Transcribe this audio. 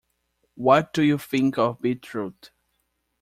What do you think of beetroot?